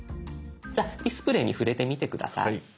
じゃ「ディスプレイ」に触れてみて下さい。